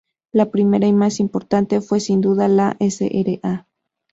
La primera y más importante fue sin duda la Sra.